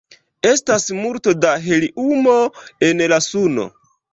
Estas multo da heliumo en la suno.